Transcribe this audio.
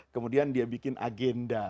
kemudian dia bikin agenda